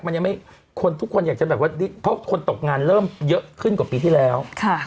เพราะคนตกงานเริ่มเยอะขึ้นกว่าปีที่แล้ว